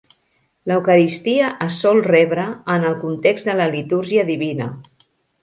L"eucaristia es sol rebre en el context de la Litúrgia divina.